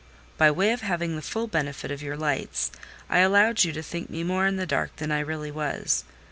By way of having the full benefit of your lights, I allowed you to think me more in the dark than I really was.